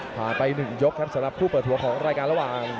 ผ่านไป๑ยกครับสำหรับคู่เปิดหัวของรายการระหว่าง